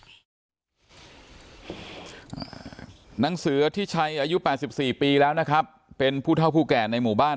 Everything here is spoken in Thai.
นางเสือที่ชัยอายุแปดสิบสี่ปีแล้วนะครับเป็นผู้เท่าผู้แก่ในหมู่บ้าน